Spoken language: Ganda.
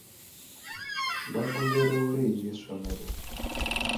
Baaguze loole y'essomero.